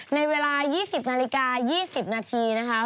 ในเวลา๒๐นาฬิกา๒๐นาทีนะคะ